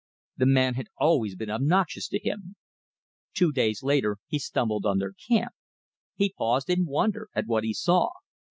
The man had always been obnoxious to him. Two days later he stumbled on their camp. He paused in wonder at what he saw.